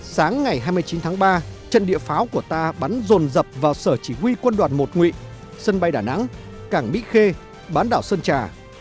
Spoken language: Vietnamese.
sáng ngày hai mươi chín tháng ba trận địa pháo của ta bắn rồn dập vào sở chỉ huy quân đoàn một nguyện sân bay đà nẵng cảng mỹ khê bán đảo sơn trà